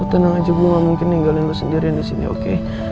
ya lu tenang aja gue gak mungkin ninggalin lu sendiri disini oke